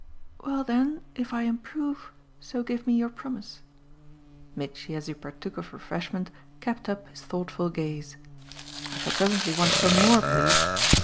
"Well then if I improve so give me your promise." Mitchy, as he partook of refreshment, kept up his thoughtful gaze. "I shall presently want some more, please.